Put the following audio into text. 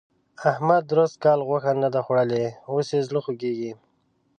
احمد درست کال غوښه نه ده خوړلې؛ اوس يې زړه خوږېږي.